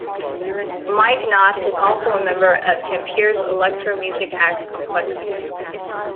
Mike Not is also a member of Tampere's electro music act Kompleksi.